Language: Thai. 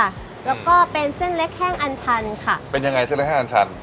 แล้วก็เป็นเส้นเล็กแห้งอันชันค่ะเป็นยังไงเส้นเล็กแห้งอันชัน